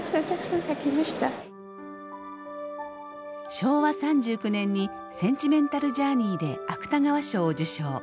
昭和３９年に「センチメンタル・ジャーニイ」で芥川賞を受賞。